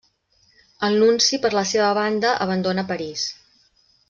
El Nunci per la seva banda abandona París.